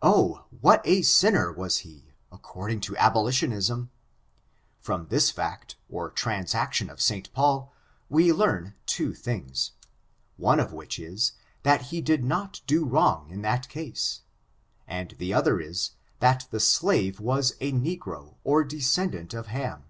Oh, what a sinner was he, according to abolitionism! From this fact, or transaction of St. Paul, we learn two things : one of which is, that he did not do wrong in that case ; and the other is, that the slave was a negro, or descendant of Ham.